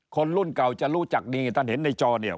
คนรุ่นเก่าจะรู้จักดีท่านเห็นในจอเนี่ย